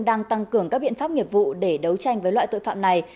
đang tăng cường các biện pháp nghiệp vụ để đấu tranh với loại tội phạm này